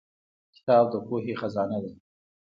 • کتاب د پوهې خزانه ده.